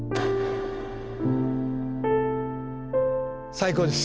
最高です。